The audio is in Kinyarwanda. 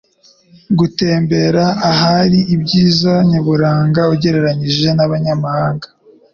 gutemberera ahari ibyiza nyaburanga ugereranyije n'abanyamahanga.